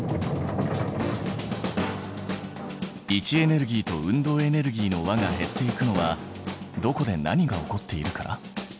位置エネルギーと運動エネルギーの和が減っていくのはどこで何が起こっているから？